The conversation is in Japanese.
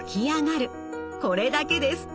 これだけです。